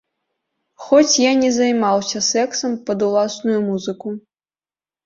Хоць я не займаўся сексам пад уласную музыку.